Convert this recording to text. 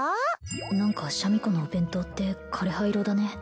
何かシャミ子のお弁当って枯れ葉色だね